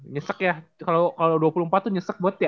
nyesek ya kalau dua puluh empat tuh nyesek buat ya